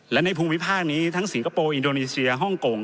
และในภูมิภาคนี้ทั้งสิงคโปร์อินโดนีเซียฮ่องกง